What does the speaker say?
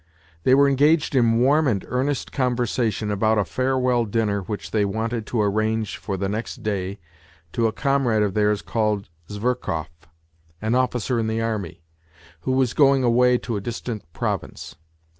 They were engaged in warm and earnest conversation about a farewell dinner which they wanted to arrange for the next day to a comrade of theirs called Zverkov, an officer in the army, who was going away to a distant province.